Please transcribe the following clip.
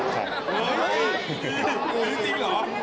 จริงจริงเหรอ